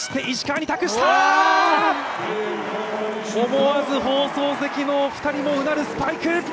思わず放送席の２人もうなるスパイク！